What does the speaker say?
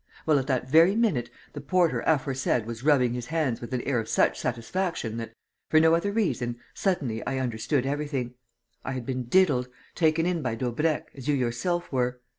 Well, at that very minute, the porter aforesaid was rubbing his hands with an air of such satisfaction that, for no other reason, suddenly, I understood everything: I had been diddled, taken in by Daubrecq, as you yourself were.